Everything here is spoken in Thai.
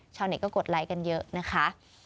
ชาวเน็ตก็กดไลค์กันเยอะนะคะ